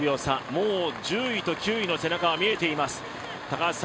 もう１０位と９位の背中は見えています。